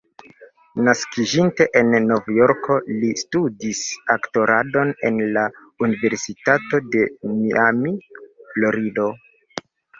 Naskiĝinte en Novjorko, li studis aktoradon en la Universitato de Miami, Florido.